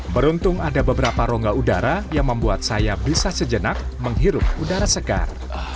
beruntung ada beberapa rongga udara yang membuat saya bisa sejenak menghirup udara segar